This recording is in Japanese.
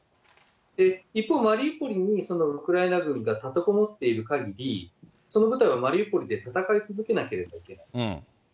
一方、マリウポリにウクライナ軍が立てこもっているかぎり、その部隊はマリウポリで戦い続けなければいけない。